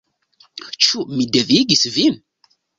Ĉu mi devigis vin —?